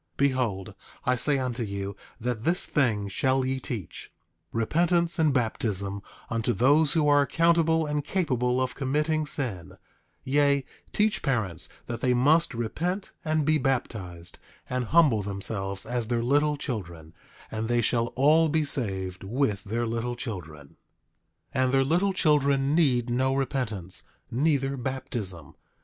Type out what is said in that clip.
8:10 Behold I say unto you that this thing shall ye teach—repentance and baptism unto those who are accountable and capable of committing sin; yea, teach parents that they must repent and be baptized, and humble themselves as their little children, and they shall all be saved with their little children. 8:11 And their little children need no repentance, neither baptism.